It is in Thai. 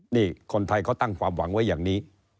นี่คนไทยเขาตั้งความหวังไว้อย่างนี้